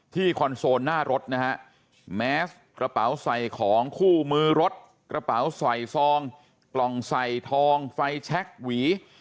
คอนโซลหน้ารถนะฮะแมสกระเป๋าใส่ของคู่มือรถกระเป๋าใส่ซองกล่องใส่ทองไฟแช็คหวี